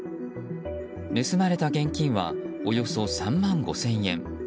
盗まれた現金はおよそ３万５０００円。